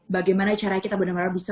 bagaimana caranya kita benar benar bisa